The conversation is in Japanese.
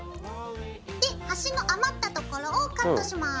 で端の余ったところをカットします。